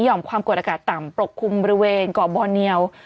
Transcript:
ความกดอากาศต่ำปกคลุมบริเวณเกาะบอเนียว